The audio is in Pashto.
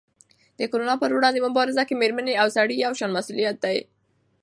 د کرونا په وړاندې مبارزه کې مېرمنې او سړي یو شان مسؤل دي.